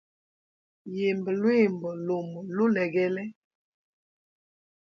Yimba lwimbo lumo lulegele.